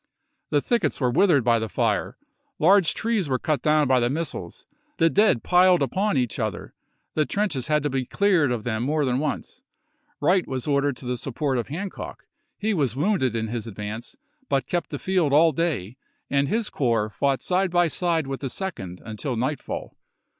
The thickets were withered by the fire ; large trees SPOTSYLVANIA AND COLD HAHBOE 381 were cut down by the missiles ; the dead lay piled chap. xv. upon each other ; the trenches had to be cleared of them more than once. Wright was ordered to the support of Hancock ; he was wounded in his ad vance, but kept the field all day, and his corps Mayi2,i864. fought side by side with the Second until nightfall.